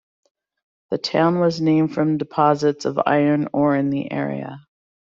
The town was named from deposits of iron ore in the area.